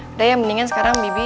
udah ya mendingan sekarang bibi